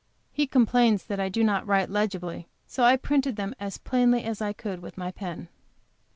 He com plains that I do not write legibly, so I printed them as plainly as I could, with my pen.